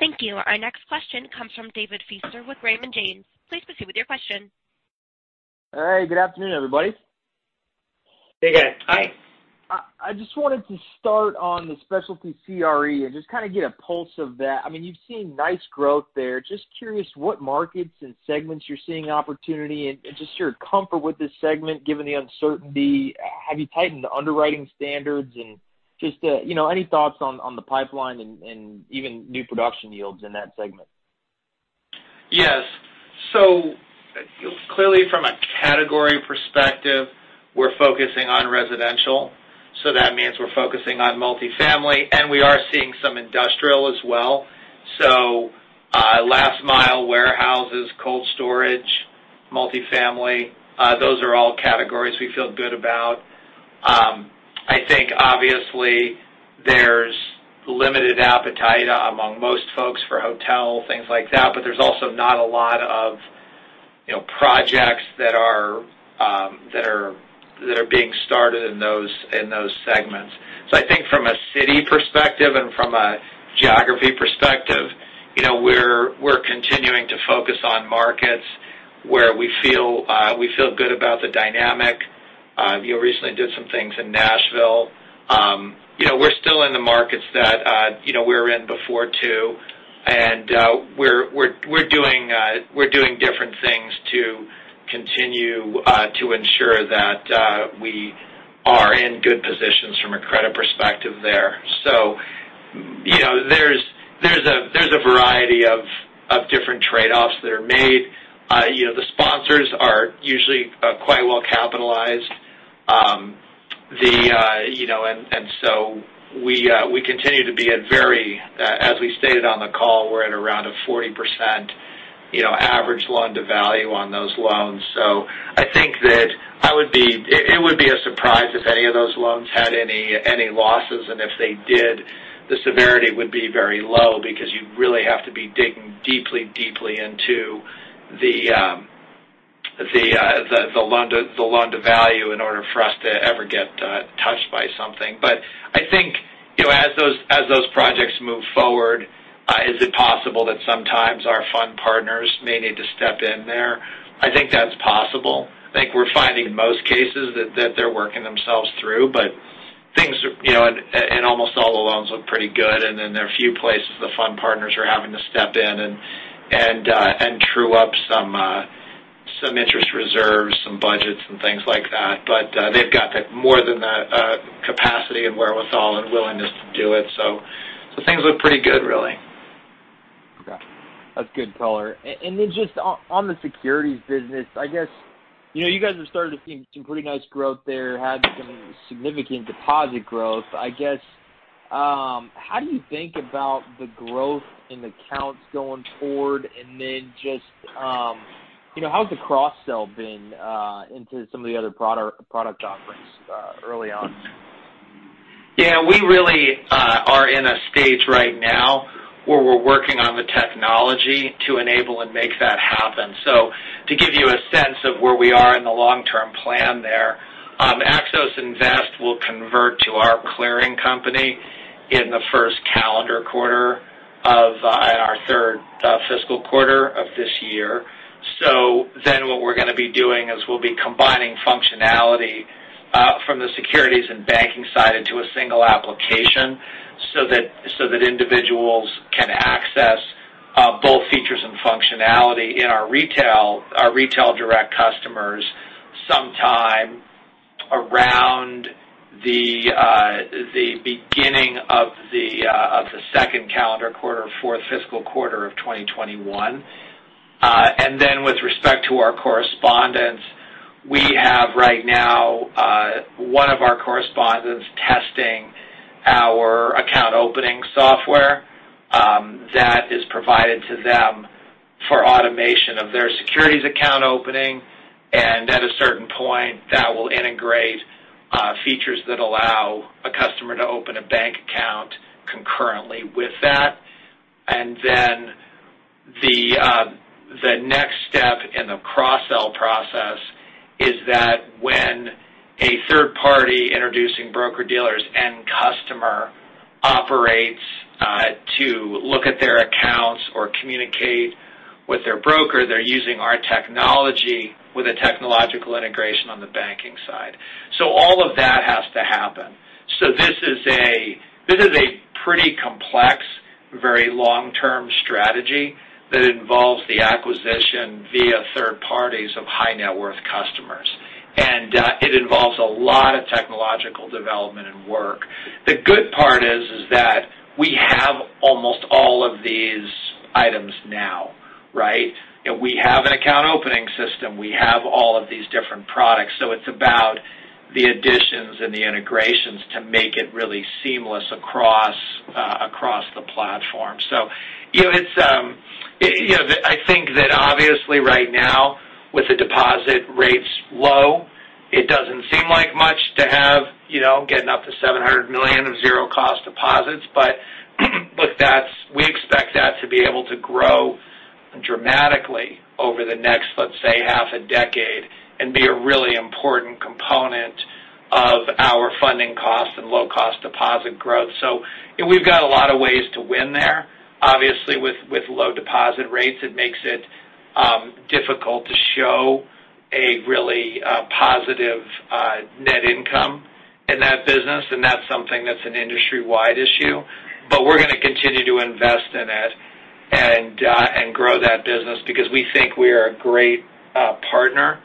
Thank you. Our next question comes from David Feaster with Raymond James. Please proceed with your question. Hey, good afternoon, everybody. Hey. Hi. I just wanted to start on the specialty CRE and just kind of get a pulse of that. You've seen nice growth there. Just curious what markets and segments you're seeing opportunity and just your comfort with this segment given the uncertainty. Have you tightened the underwriting standards? Just any thoughts on the pipeline and even new production yields in that segment? Yes. Clearly, from a category perspective, we're focusing on residential. That means we're focusing on multifamily, and we are seeing some industrial as well. Last mile warehouses, cold storage, multifamily, those are all categories we feel good about. I think obviously there's limited appetite among most folks for hotel, things like that. There's also not a lot of projects that are being started in those segments. I think from a city perspective and from a geography perspective, we're continuing to focus on markets where we feel good about the dynamic. We recently did some things in Nashville. We're still in the markets that we were in before, too. We're doing different things to continue to ensure that we are in good positions from a credit perspective there. There's a variety of different trade-offs that are made. The sponsors are usually quite well capitalized. We continue to be at, as we stated on the call, we're at around a 40% average loan-to-value on those loans. I think that it would be a surprise if any of those loans had any losses. If they did, the severity would be very low because you really have to be digging deeply into the loan-to-value in order for us to ever get touched by something. I think as those projects move forward, is it possible that sometimes our fund partners may need to step in there? I think that's possible. I think we're finding in most cases that they're working themselves through. Almost all the loans look pretty good. There are a few places the fund partners are having to step in and true up some interest reserves, some budgets, and things like that. They've got more than the capacity and wherewithal and willingness to do it. Things look pretty good, really. Okay. That's good color. Then just on the securities business, I guess you guys have started to see some pretty nice growth there, had some significant deposit growth. I guess, how do you think about the growth in accounts going forward? Then just how's the cross-sell been into some of the other product offerings early on? Yeah, we really are in a stage right now where we're working on the technology to enable and make that happen. To give you a sense of where we are in the long-term plan there, Axos Invest will convert to our clearing company in the first calendar quarter of our third fiscal quarter of this year. What we're going to be doing is we'll be combining functionality from the securities and banking side into a single application, so that individuals can access both features and functionality in our retail direct customers sometime around the beginning of the second calendar quarter, fourth fiscal quarter of 2021. With respect to our correspondents, we have right now one of our correspondents testing our account opening software that is provided to them for automation of their securities account opening. At a certain point, that will integrate features that allow a customer to open a bank account concurrently with that. The next step in the cross-sell process is that when a third party introducing broker-dealer's customer operates to look at their accounts or communicate with their broker, they're using our technology with a technological integration on the banking side. All of that has to happen. This is a pretty complex, very long-term strategy that involves the acquisition via third parties of high-net-worth customers. It involves a lot of technological development and work. The good part is that we have almost all of these items now, right? We have an account opening system. We have all of these different products. It's about the additions and the integrations to make it really seamless across the platform. I think that obviously right now with the deposit rates low, it doesn't seem like much to have getting up to $700 million of zero-cost deposits. We expect that to be able to grow dramatically over the next, let's say, half a decade and be a really important component of our funding cost and low-cost deposit growth. We've got a lot of ways to win there. Obviously, with low deposit rates, it makes it difficult to show a really positive net income in that business, and that's something that's an industry-wide issue. We're going to continue to invest in it and grow that business because we think we are a great partner,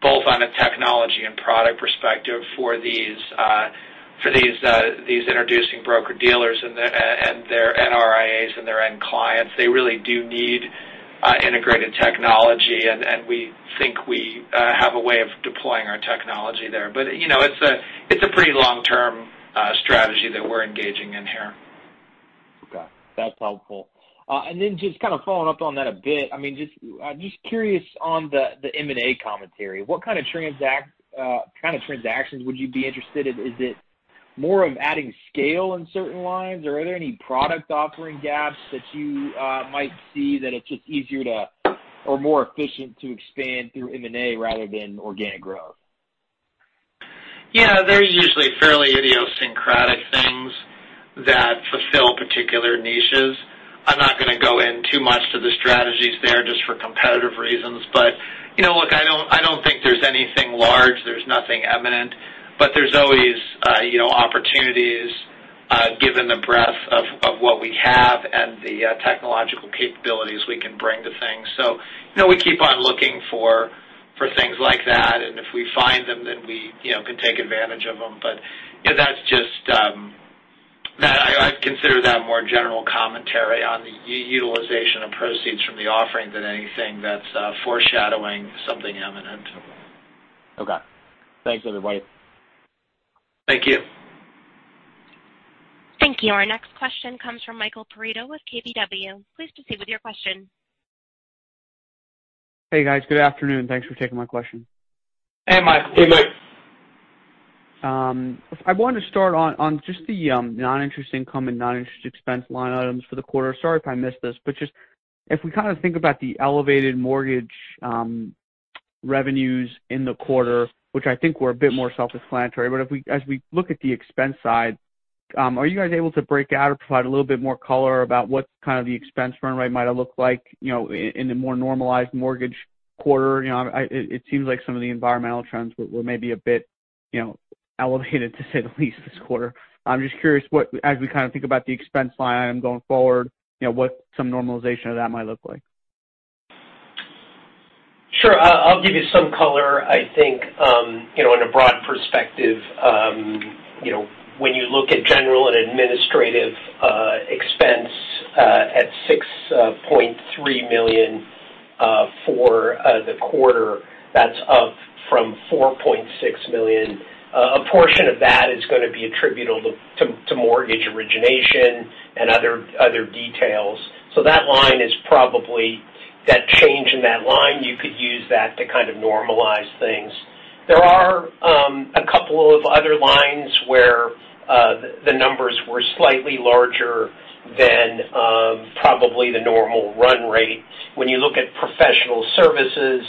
both on a technology and product perspective for these introducing broker-dealers and their RIAs and their end clients. They really do need integrated technology, and we think we have a way of deploying our technology there. It's a pretty long-term strategy that we're engaging in here. Okay. That's helpful. Then just kind of following up on that a bit. I'm just curious on the M&A commentary. What kind of transactions would you be interested in? Is it more of adding scale in certain lines, or are there any product offering gaps that you might see that it's just easier to or more efficient to expand through M&A rather than organic growth? Yeah. They're usually fairly idiosyncratic things that fulfill particular niches. I'm not going to go in too much to the strategies there just for competitive reasons. Look, I don't think there's anything large. There's nothing imminent. There's always opportunities given the breadth of what we have and the technological capabilities we can bring to things. We keep on looking for things like that. If we find them, then we can take advantage of them. I'd consider that more general commentary on the utilization of proceeds from the offering than anything that's foreshadowing something imminent. Okay. Thanks, everybody. Thank you. Thank you. Our next question comes from Michael Perito with KBW. Please proceed with your question. Hey, guys. Good afternoon. Thanks for taking my question. Hey, Mike. I wanted to start on just the non-interest income and non-interest expense line items for the quarter. Sorry if I missed this. Just if we think about the elevated mortgage revenues in the quarter, which I think were a bit more self-explanatory. As we look at the expense side, are you guys able to break out or provide a little bit more color about what the expense run rate might have looked like in a more normalized mortgage quarter? It seems like some of the environmental trends were maybe a bit elevated, to say the least, this quarter. I'm just curious as we think about the expense line item going forward, what some normalization of that might look like. Sure. I'll give you some color. I think in a broad perspective when you look at general and administrative expense at $6.3 million for the quarter, that's up from $4.6 million. A portion of that is going to be attributable to. Mortgage origination and other details. That line is probably, that change in that line, you could use that to kind of normalize things. There are a couple of other lines where the numbers were slightly larger than probably the normal run rate. When you look at professional services,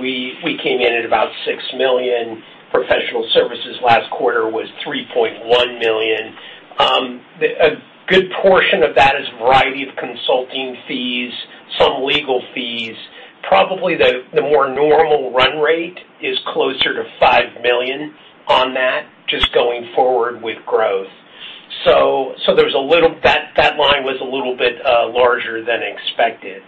we came in at about $6 million. Professional services last quarter was $3.1 million. A good portion of that is a variety of consulting fees, some legal fees. Probably the more normal run rate is closer to $5 million on that, just going forward with growth. That line was a little bit larger than expected.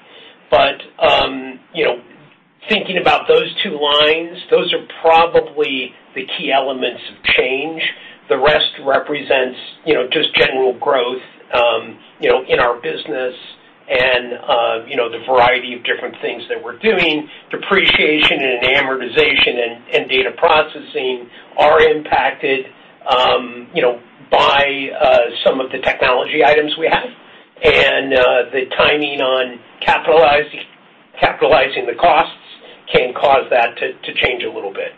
Thinking about those two lines, those are probably the key elements of change. The rest represents just general growth in our business and the variety of different things that we're doing. Depreciation and amortization and data processing are impacted by some of the technology items we have. The timing on capitalizing the costs can cause that to change a little bit.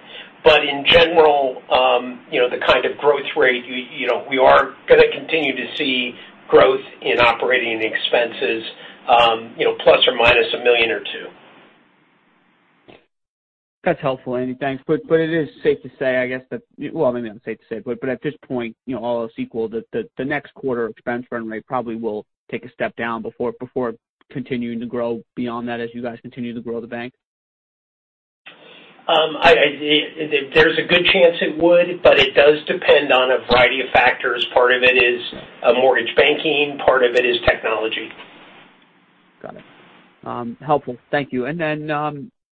In general, the kind of growth rate, we are going to continue to see growth in operating expenses ±$1 million or $2 million. That's helpful, Andy. Thanks. It is safe to say, I guess that. Well, maybe not safe to say, but at this point, all else equal, that the next quarter expense run rate probably will take a step down before continuing to grow beyond that as you guys continue to grow the bank. There's a good chance it would, but it does depend on a variety of factors. Part of it is mortgage banking, part of it is technology. Got it. Helpful. Thank you.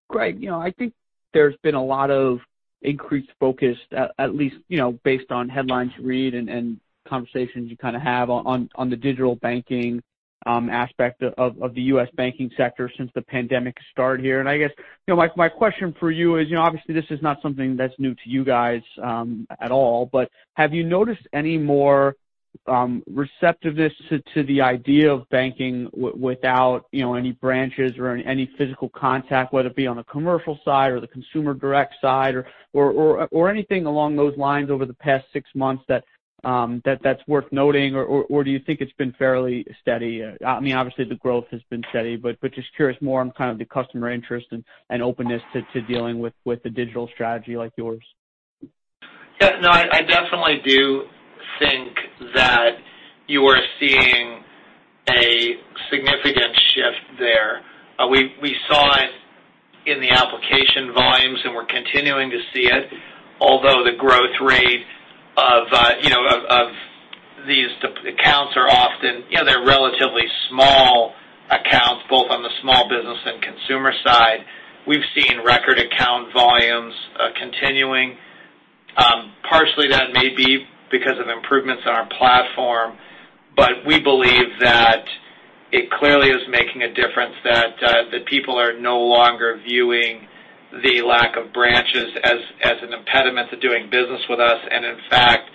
Greg, I think there's been a lot of increased focus, at least based on headlines you read and conversations you have on the digital banking aspect of the U.S. banking sector since the pandemic started here. I guess my question for you is, obviously, this is not something that's new to you guys at all, but have you noticed any more receptiveness to the idea of banking without any branches or any physical contact, whether it be on the commercial side or the consumer direct side or anything along those lines over the past six months that's worth noting? Do you think it's been fairly steady? Obviously, the growth has been steady, but just curious more on kind of the customer interest and openness to dealing with a digital strategy like yours. Yeah. No, I definitely do think that you are seeing a significant shift there. We saw it in the application volumes, and we're continuing to see it, although the growth rate of these accounts are they're relatively small accounts, both on the small business and consumer side. We've seen record account volumes continuing. Partially that may be because of improvements in our platform, but we believe that it clearly is making a difference that people are no longer viewing the lack of branches as an impediment to doing business with us. In fact,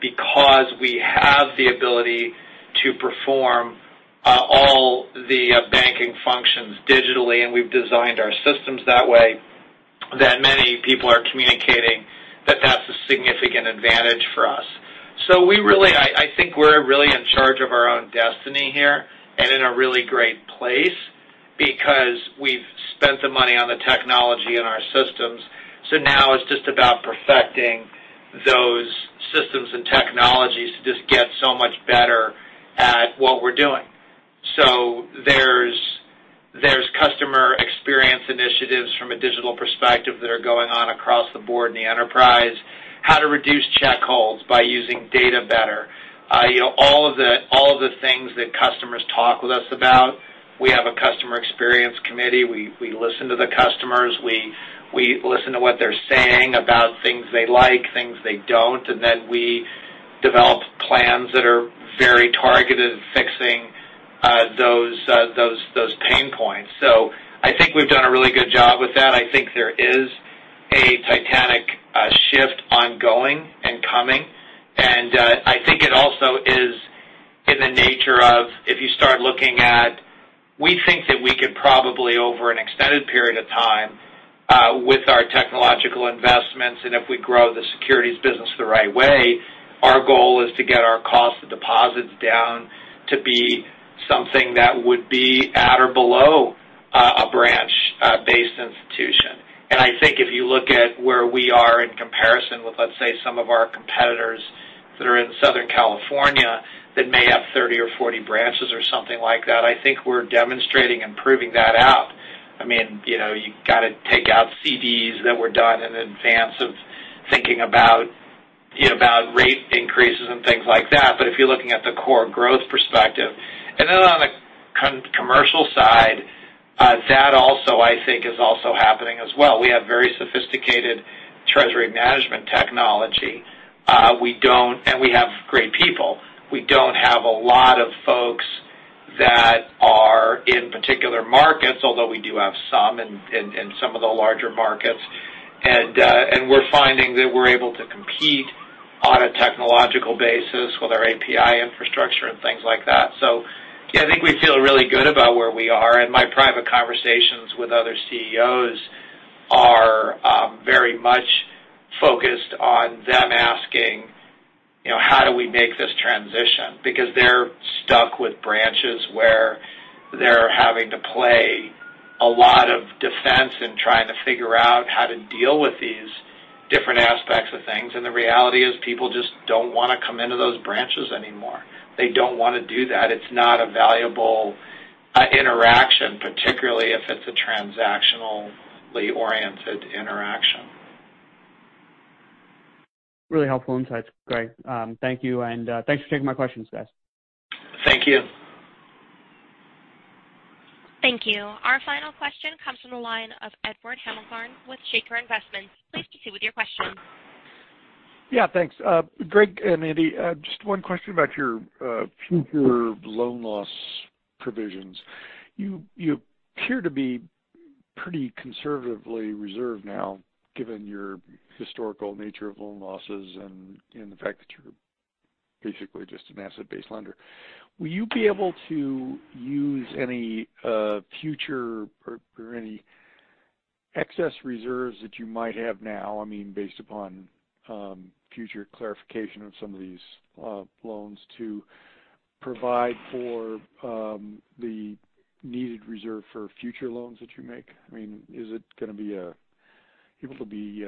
because we have the ability to perform all the banking functions digitally, and we've designed our systems that way, that many people are communicating that that's a significant advantage for us. I think we're really in charge of our own destiny here and in a really great place because we've spent the money on the technology in our systems. Now it's just about perfecting those systems and technologies to just get so much better at what we're doing. There's customer experience initiatives from a digital perspective that are going on across the board in the enterprise. How to reduce check holds by using data better. All of the things that customers talk with us about. We have a customer experience committee. We listen to the customers. We listen to what they're saying about things they like, things they don't, and then we develop plans that are very targeted at fixing those pain points. I think we've done a really good job with that. I think there is a titanic shift ongoing and coming, and I think it also is in the nature of if you start looking at. We think that we could probably, over an extended period of time with our technological investments, and if we grow the securities business the right way, our goal is to get our cost of deposits down to be something that would be at or below a branch-based institution. I think if you look at where we are in comparison with, let's say, some of our competitors that are in Southern California that may have 30 or 40 branches or something like that, I think we're demonstrating and proving that out. You got to take out CDs that were done in advance of thinking about rate increases and things like that. If you're looking at the core growth perspective. On the commercial side, that also I think is also happening as well. We have very sophisticated treasury management technology. We have great people. We don't have a lot of folks that. Particular markets, although we do have some in some of the larger markets. We're finding that we're able to compete on a technological basis with our API infrastructure and things like that. I think we feel really good about where we are. My private conversations with other CEOs are very much focused on them asking, how do we make this transition? Because they're stuck with branches where they're having to play a lot of defense and trying to figure out how to deal with these different aspects of things. The reality is people just don't want to come into those branches anymore. They don't want to do that. It's not a valuable interaction, particularly if it's a transactionally oriented interaction. Really helpful insights, Greg. Thank you. Thanks for taking my questions, guys. Thank you. Thank you. Our final question comes from the line of Edward Hemmelgarn with Shaker Investments. Please proceed with your question. Yeah, thanks. Greg and Andy, just one question about your future loan loss provisions. You appear to be pretty conservatively reserved now, given your historical nature of loan losses and the fact that you're basically just an asset-based lender. Will you be able to use any future or any excess reserves that you might have now, based upon future clarification of some of these loans, to provide for the needed reserve for future loans that you make? Is it going to be able to be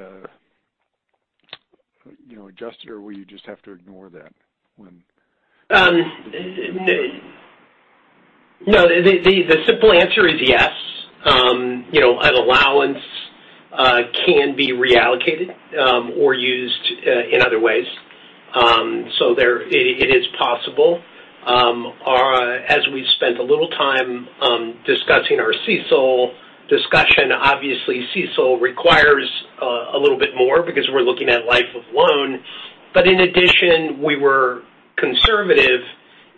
adjusted, or will you just have to ignore that? No. The simple answer is yes. An allowance can be reallocated or used in other ways. It is possible. As we've spent a little time discussing our CECL discussion, obviously CECL requires a little bit more because we're looking at life of loan. In addition, we were conservative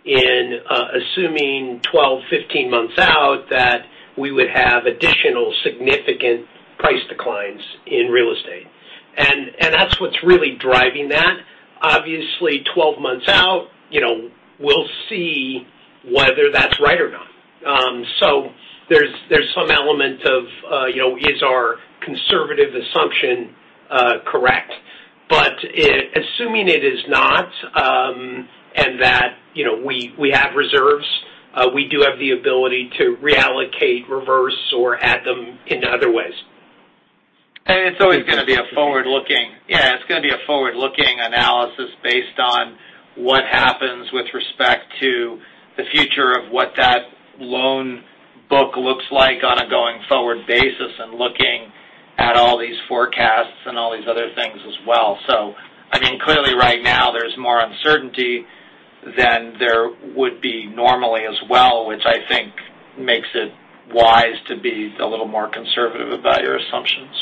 in assuming 12, 15 months out that we would have additional significant price declines in real estate. That's what's really driving that. Obviously, 12 months out, we'll see whether that's right or not. There's some element of, is our conservative assumption correct? Assuming it is not, and that we have reserves, we do have the ability to reallocate, reverse, or add them in other ways. It's always going to be a forward-looking. Yeah, it's going to be a forward-looking analysis based on what happens with respect to the future of what that loan book looks like on a going-forward basis and looking at all these forecasts and all these other things as well. Clearly right now, there's more uncertainty than there would be normally as well, which I think makes it wise to be a little more conservative about your assumptions.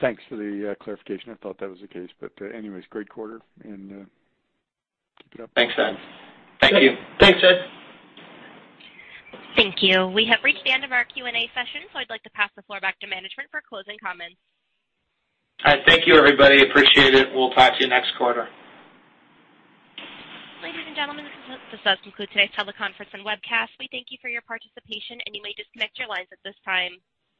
Thanks for the clarification. I thought that was the case, but anyways, great quarter, and keep it up. Thanks, Ed. Thank you. Thanks, Ed. Thank you. We have reached the end of our Q&A session. I'd like to pass the floor back to management for closing comments. All right. Thank you, everybody. Appreciate it. We'll talk to you next quarter. Ladies and gentlemen, this does conclude today's teleconference and webcast. We thank you for your participation, and you may disconnect your lines at this time.